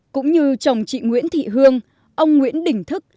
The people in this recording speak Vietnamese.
cũng như chồng chị nguyễn thị hương ông nguyễn đình thức